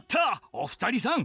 お二人さん